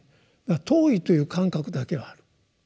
遠いという感覚だけはある。